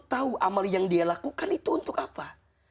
tahu amal yang dia lakukan itu untuk apa